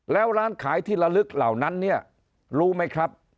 แล้วร้านขายที่ละลึกเหล่านั้นเนี่ยรู้ไหมครับ